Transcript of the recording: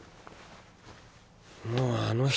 もうあの人